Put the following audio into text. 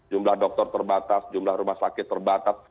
jumlah dokter terbatas jumlah rumah sakit terbatas